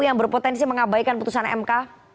yang berpotensi mengabaikan putusan mk